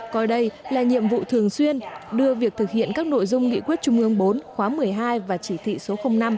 coi đây là nhiệm vụ thường xuyên đưa việc thực hiện các nội dung nghị quyết trung ương bốn khóa một mươi hai và chỉ thị số năm